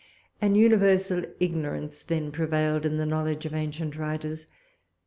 An universal ignorance then prevailed in the knowledge of ancient writers.